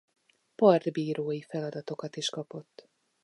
Partbírói feladatokat is kapott.